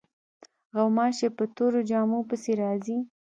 غوماشې په تورو جامو پسې راځي.